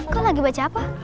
kau lagi baca apa